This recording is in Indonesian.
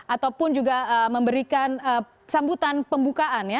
ataupun juga memberikan sambutan pembukaan ya